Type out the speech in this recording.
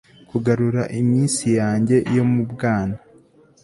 kugarura iminsi yanjye yo mu bwana